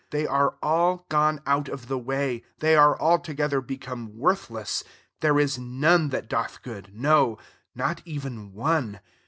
12 They arc all gone out Ot«ek<; ROMANS IV.. 255 of the way, they are altogether "become worthless : there is none that doth good, no not even one.